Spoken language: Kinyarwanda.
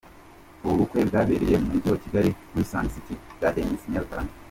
Ubu bukwe bwabereye mu Mujyi wa Kigali muri Sunset Gardens i Nyarutarama.